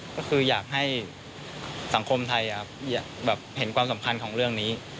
ก็คืออยากให้สังคมไทยเห็นความสำคัญของเรื่องนี้